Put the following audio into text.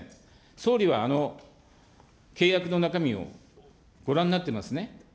総理はあの契約の中身をご覧なってますね。